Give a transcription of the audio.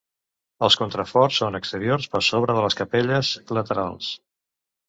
Els contraforts són exteriors per sobre de les capelles laterals.